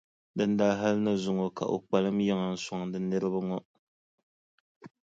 Dindali hali ni zuŋɔ ka o kpalim yiŋa n-sɔŋdi niriba ŋɔ.